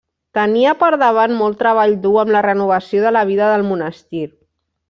Tenia per davant molt treball dur amb la renovació de la vida del monestir.